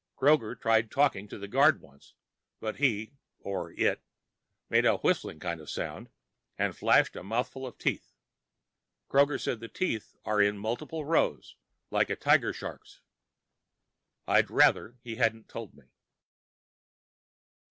Kroger tried talking to the guard once, but he (or it) made a whistling kind of sound and flashed a mouthful of teeth. Kroger says the teeth are in multiple rows, like a tiger shark's. I'd rather he hadn't told me.